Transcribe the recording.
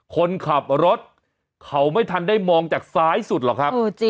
คนขับรถเขาไม่ทันได้มองจากซ้ายสุดหรอกครับ